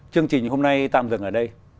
chương trình hôm nay tạm dừng ở đây